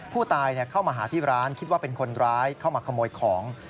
เข้ามาหาที่ร้านคิดว่าเป็นคนร้ายเข้ามาขโมยของ